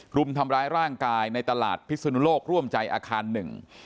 รุมทำร้ายร่างกายในตลาดพิศนุโลกร่วมใจอาคารหนึ่ง